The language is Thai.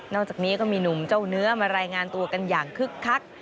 อกจากนี้ก็มีหนุ่มเจ้าเนื้อมารายงานตัวกันอย่างคึกคัก